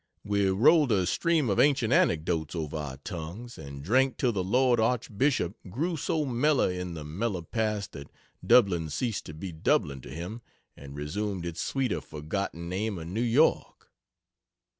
We rolled a stream of ancient anecdotes over our tongues and drank till the lord Archbishop grew so mellow in the mellow past that Dublin ceased to be Dublin to him and resumed its sweeter forgotten name of New York.